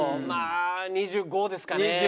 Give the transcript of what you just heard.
まあ２５ですかね。